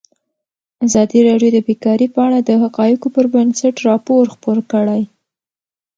ازادي راډیو د بیکاري په اړه د حقایقو پر بنسټ راپور خپور کړی.